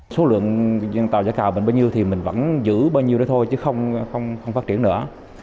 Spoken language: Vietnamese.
số lượng tàu giã cào mình bao nhiêu thì mình vẫn giữ bao nhiêu đó thôi chứ không phát triển nữa